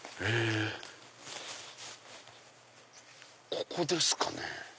ここですかね。